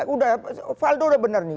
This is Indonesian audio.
udah valdo udah benar nih